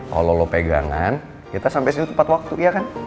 kalau lo pegangan kita sampai sini tepat waktu iya kan